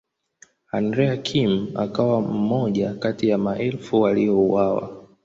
Andrea Kim akawa mmoja kati ya maelfu waliouawa.